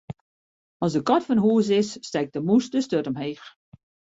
As de kat fan hûs is, stekt de mûs de sturt omheech.